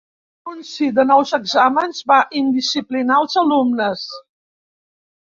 L'anunci de nous exàmens va indisciplinar els alumnes.